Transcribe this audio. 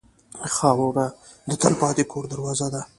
خاوره د تلپاتې کور دروازه ده.